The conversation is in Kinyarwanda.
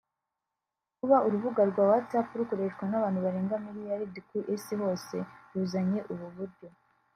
Kuba urubuga rwa ‘Whatsapp rukoreshwa n’abantu barenga milliard ku isi hose’ ruzanye ubu buryo